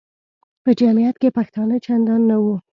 په جمیعت کې پښتانه چندان نه وو.